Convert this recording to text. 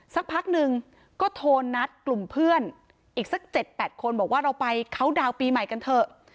สักพักหนึ่งก็โทรนัดกลุ่มเพื่อนอีกสัก๗๘คนบอกว่าเราไปเคาน์ดาวน์ปีใหม่กันเถอะ